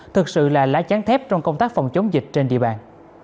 thực sự là lá chắn thép trong công tác phòng chống dịch trên địa bàn